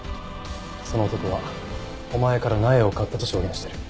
その男はお前から苗を買ったと証言している。